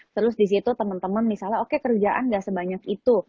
terus disitu temen temen misalnya oke kerjaan gak sebanyak itu